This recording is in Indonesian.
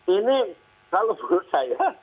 ini kalau menurut saya